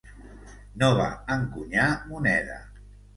No va encunyar moneda.